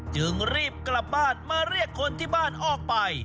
จึงรีบกลับบ้านมาเรียกคนที่บ้านออกไป